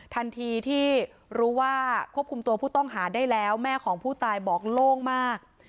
ทันทีที่รู้ว่าควบคุมตัวผู้ต้องหาได้แล้วแม่ของผู้ตายบอกโล่งมาก